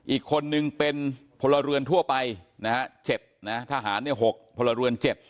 อีกคนนึงเป็นพลเรือนทั่วไป๗ทหาร๖พลเรือน๗